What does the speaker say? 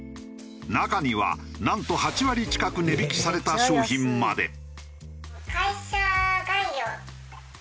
中にはなんと８割近く値引きされた商品まで。